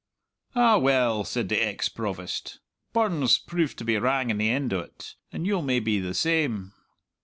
"Ah, well," said the ex Provost, "Burns proved to be wrang in the end o't, and you'll maybe be the same.